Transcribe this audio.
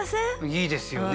いいですよね。